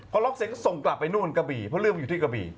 พอหลอกเสร็จเขาก็ส่งกลับไปนู่นกะบี่เพราะว่าเรื่องว่าอยู่ที่กะบี่